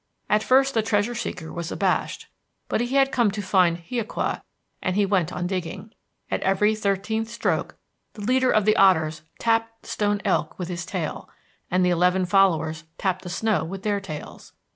At first the treasure seeker was abashed, but he had come to find hiaqua and he went on digging. At every thirteenth stroke the leader of the otters tapped the stone elk with his tail, and the eleven followers tapped the snow with their tails.